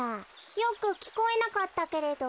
よくきこえなかったけれど。